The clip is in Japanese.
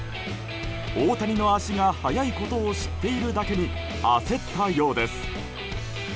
大谷の足が速いことを知っているだけに焦ったようです。